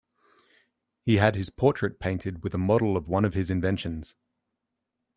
He had his portrait painted with a model of one of his inventions.